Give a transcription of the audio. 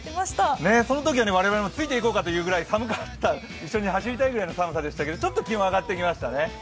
そのときは我々もついていこうかと思うぐらい寒かった、一緒に走りたいぐらいの寒さでしたが、ちょっと気温が上がってきましたね。